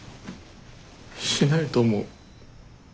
しないと思う。